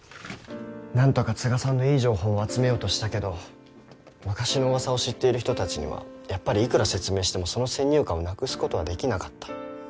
何とか都賀さんのいい情報を集めようとしたけど昔の噂を知っている人たちにはやっぱりいくら説明してもその先入観をなくすことはできなかった。